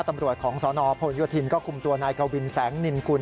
ตำรวจของสนพลโยธินก็คุมตัวนายกวินแสงนินกุล